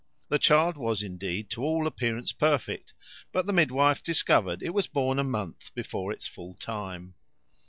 The child was indeed to all appearances perfect; but the midwife discovered it was born a month before its full time.